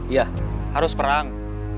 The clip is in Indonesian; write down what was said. iya harus perang